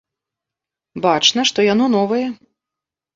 Бачна, што яно новае.